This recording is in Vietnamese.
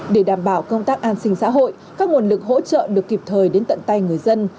để đảm bảo công tác an sinh xã hội các nguồn lực hỗ trợ được kịp thời đến tận tay người dân